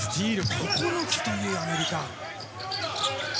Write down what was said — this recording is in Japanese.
９つというアメリカ。